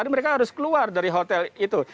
mereka harus keluar dari hotel itu